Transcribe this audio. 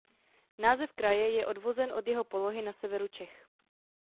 Název kraje je odvozen od jeho polohy na severu Čech.